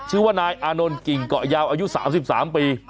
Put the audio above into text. ชื่อว่านายอานนท์กิ่งเกาะยาวอายุสามสิบสามปี